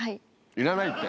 いらないって。